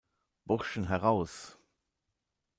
Burschen heraus!